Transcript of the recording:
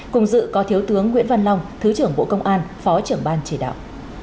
cùng dự có thiếu tướng nguyễn văn long thứ trưởng bộ công an phó trưởng ban chỉ đạo